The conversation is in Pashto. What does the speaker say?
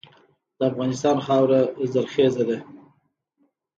د افغانستان خاوره زرخیزه ده.